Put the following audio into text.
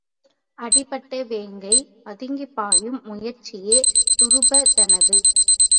அடிபட்ட வேங்கை பதுங்கிப்பாயும் முயற்சியே துருபதனது.